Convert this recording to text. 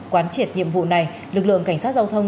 quán triệt nhiệm vụ này lực lượng cảnh sát giao thông